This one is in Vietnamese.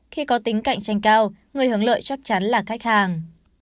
khi có tính cạnh tranh cao người hưởng lợi chắc chắn là khách hàng